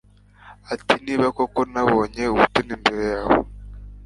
ati niba koko nabonye ubutoni imbere yawe